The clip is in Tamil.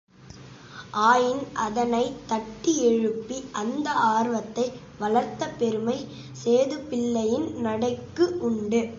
ஆயின் அதனைத் தட்டி எழுப்பி அந்த ஆர்வத்தை வளர்த்த பெருமை சேதுப்பிள்ளையின் நடைக்கு உண்டு.